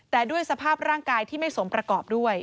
แต่ด้วยสภาพร่างกายที่ไม่สมประกอบด้วย